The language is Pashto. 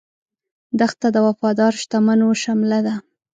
دښته د وفادار شتمنو شمله ده.